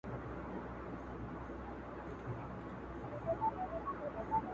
دومره بیدار او هوښیار سي -